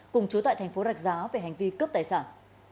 cùng chú tại thành phố rạch giá về hành vi cướp tài sản